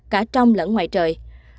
cả trong lẫn ngoài trời